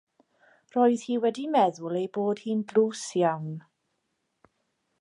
Roedd hi wedi meddwl ei bod hi'n dlws iawn.